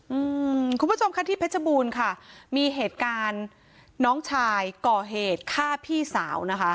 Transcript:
อืมคุณผู้ชมค่ะที่เพชรบูรณ์ค่ะมีเหตุการณ์น้องชายก่อเหตุฆ่าพี่สาวนะคะ